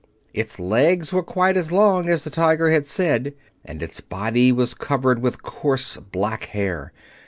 Its legs were quite as long as the tiger had said, and its body covered with coarse black hair.